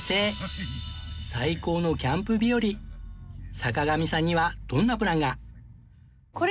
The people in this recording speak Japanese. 坂上さんにはどんなプランが？